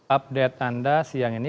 update anda siang ini